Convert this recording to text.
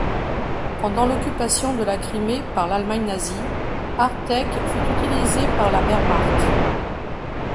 Pendant l'occupation de la Crimée par l'Allemagne nazie, Artek fut utilisé par la Wehrmacht.